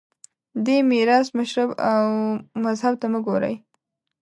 دې میراث مشرب او مذهب ته مه ګورئ